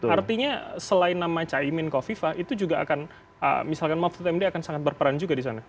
artinya selain nama caimin kofifa itu juga akan misalkan mahfud md akan sangat berperan juga di sana